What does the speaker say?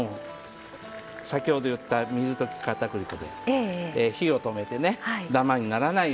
先ほど言った水溶き片栗粉で火を止めてねダマにならないようにやって下さい。